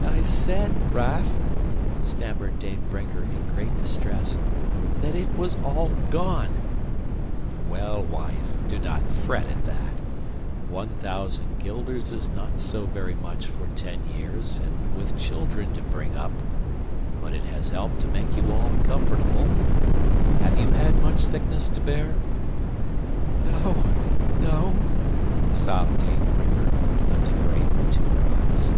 "I said, Raff," stammered Dame Brinker in great distress, "that it was all gone." "Well, well, wife, do not fret at that; one thousand guilders is not so very much for ten years and with children to bring up... but it has helped to make you all comfortable. Have you had much sickness to bear?" "No, no," sobbed Dame Brinker, lifting her apron to her eyes.